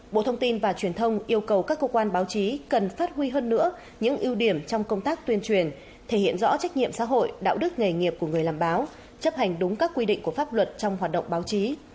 bộ thông tin và truyền thông yêu cầu các cơ quan báo chí cần phát huy hơn nữa những ưu điểm trong công tác tuyên truyền thể hiện rõ trách nhiệm xã hội đạo đức nghề nghiệp của người làm báo chấp hành đúng các quy định của pháp luật trong hoạt động báo chí